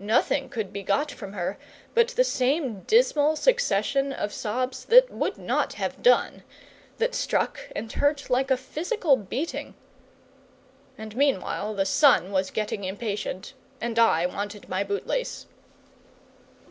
Nothing could be got from her but the same dismal succession of sobs that would not have done, that struck and hurt like a physical beating; and meanwhile the sun was getting impatient, and I wanted my bootlace.